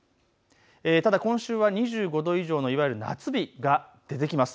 ただ今週は２５度以上のいわゆる夏日が出てきます。